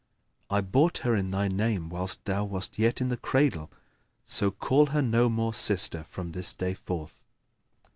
I bought her in thy name whilst thou wast yet in the cradle; so call her no more sister from this day forth."